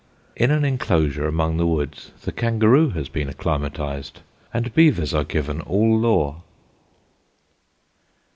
In an enclosure among the woods the kangaroo has been acclimatised; and beavers are given all law.